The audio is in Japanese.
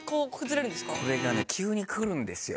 これがね急に来るんですよ。